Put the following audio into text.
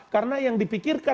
karena yang dipikirkan adalah